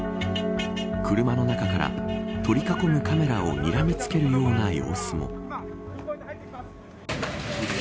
車の中から、取り囲むカメラをにらみつけるような様子も。